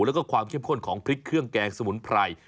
แล้วก็ความเข้มข้นของพริกเครื่องแกงสมุนไพร